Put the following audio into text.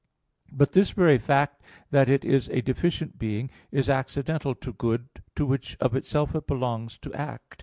But this very fact that it is a deficient being is accidental to good to which of itself it belongs to act.